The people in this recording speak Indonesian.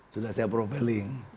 sudah saya profiling